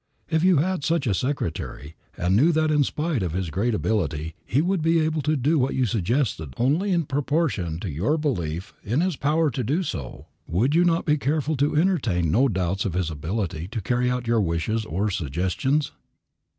If you had such a secretary, and knew that in spite of his great ability he would be able to do what you suggested only in proportion to your belief in his power to do so, would you not be careful to entertain no doubts of his ability to carry out your wishes or suggestions?